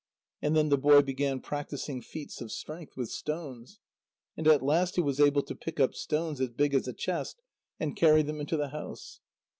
And then the boy began practising feats of strength, with stones. And at last he was able to pick up stones as big as a chest, and carry them into the house.